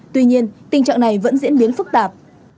tuy nhiên tình trạng này vẫn diễn biến phức tạp